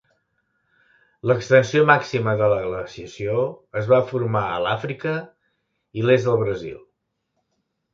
L'extensió màxima de la glaciació es va formar a l'Àfrica i l'est del Brasil.